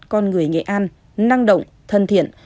con người nghệ an năng động thân thiện